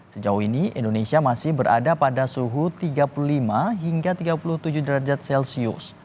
sejauh ini indonesia masih berada pada suhu tiga puluh lima hingga tiga puluh tujuh derajat celcius